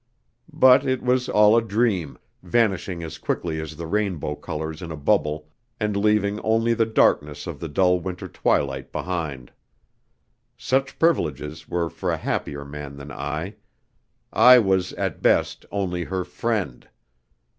But it was all a dream, vanishing as quickly as the rainbow colours in a bubble, and leaving only the darkness of the dull winter twilight behind. Such privileges were for a happier man than I: I was at best only her "friend."